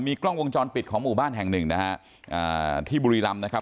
กล้องวงจรปิดของหมู่บ้านแห่งหนึ่งนะฮะอ่าที่บุรีรำนะครับ